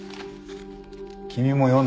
君も読んだな？